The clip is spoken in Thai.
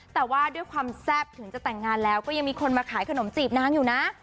แต่ว่าด้วยความแซ่บถึงจะแต่งงานแล้วก็ยังมีคนมาขายขนมจีบนางอยู่นะ